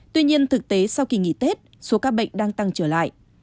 tuy nhiên thực tế sau kỳ nghỉ tết số ca bệnh đang tăng trở lại